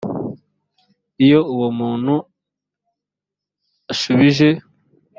iyo uwo muntu ashubije